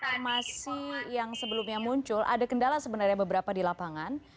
kalau misalnya tadi informasi yang sebelumnya muncul ada kendala sebenarnya beberapa di lapangan